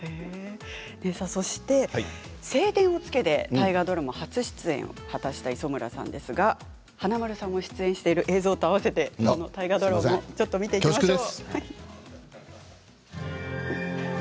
そして「青天を衝け」で大河ドラマ初出演を果たした磯村さんですが、華丸さんも出演している映像と合わせて見ていきましょう。